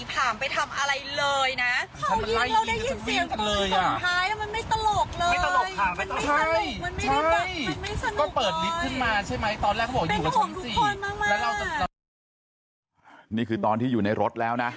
เป็นห่วงทุกคนมากนี่คือตอนที่อยู่ในรถแล้วนะ